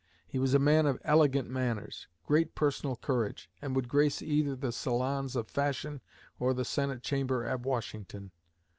He was a man of elegant manners, great personal courage, and would grace either the salons of fashion or the Senate chamber at Washington.